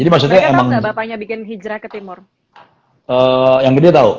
mereka tau gak bapaknya bikin hijrah ke timur